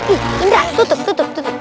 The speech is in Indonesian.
ih indra tutup tutup tutup